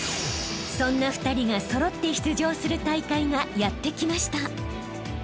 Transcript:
［そんな２人が揃って出場する大会がやって来ました］